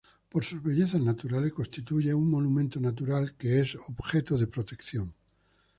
Por sus bellezas naturales constituye un monumento natural que es objeto de protección.